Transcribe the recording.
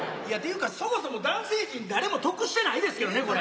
いやっていうかそもそも男性陣誰も得してないですけどね